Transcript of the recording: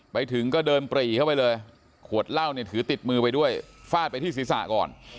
ไปถึงก็เดินปรีเข้าไปเลยขวดเหล้าเนี่ยถือติดมือไปด้วยฟาดไปที่ศีรษะก่อน